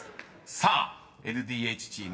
［さあＬＤＨチーム